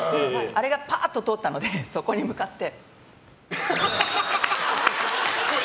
あれがぱーっと通ったのでそこに向かって。